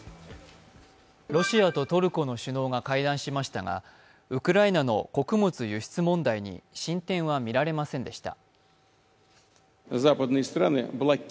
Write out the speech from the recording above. ロシアとトルコの首脳が会談しましたがウクライナの穀物輸出問題に進展は見られませんでした。